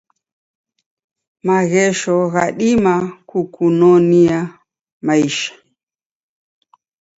Maghesho ghadima kukunonia maisha